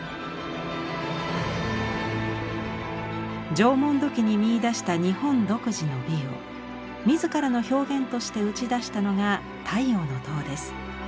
縄文土器に見いだした日本独自の美を自らの表現として打ち出したのが「太陽の塔」です。